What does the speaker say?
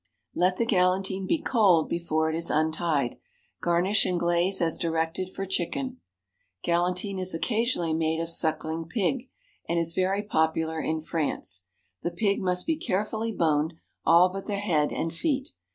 Let the galantine be cold before it is untied. Garnish and glaze as directed for chicken. Galantine is occasionally made of sucking pig, and is very popular in France. The pig must be carefully boned, all but the head and feet.